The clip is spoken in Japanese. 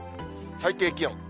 最低気温。